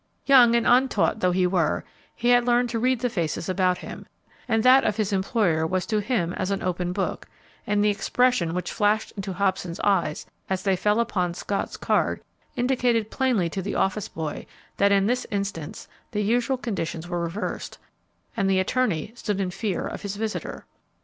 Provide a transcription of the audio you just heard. Young and untaught though he were, he had learned to read the faces about him, and that of his employer was to him as an open book, and the expression which flashed into Hobson's eyes as they fell upon Scott's card indicated plainly to the office boy that in this instance the usual conditions were reversed, and the attorney stood in fear of his visitor.